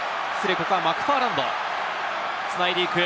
ここはマクファーランド、繋いでいく。